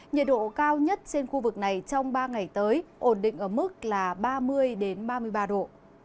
nhiệt độ cao nhất trên khu vực này trong ba ngày tới ổn định ở mức là ba mươi ba mươi ba độ